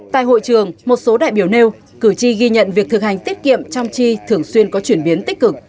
tại hội trường một số đại biểu nêu cử tri ghi nhận việc thực hành tiết kiệm trong chi thường xuyên có chuyển biến tích cực